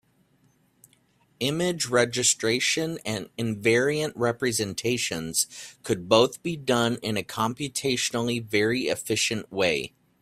Image registration and invariant representations could both be done in a computationally very efficient way.